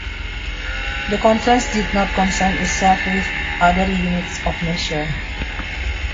The conference did not concern itself with other units of measure.